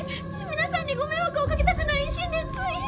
皆さんにご迷惑をかけたくない一心でつい。